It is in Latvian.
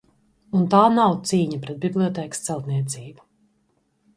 Un tā nav cīņa pret bibliotēkas celtniecību!